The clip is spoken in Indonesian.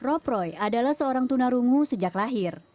rob roy adalah seorang tunarungu sejak lahir